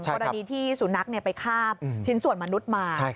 ก็ดังนี้ที่สุนัขไปข้าบชิ้นสวนมนุษย์มา